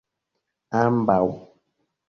ambaŭ